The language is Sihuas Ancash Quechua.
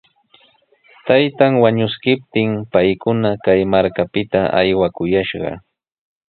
Taytan wañuskiptin paykuna kay markapita aywakuyashqa.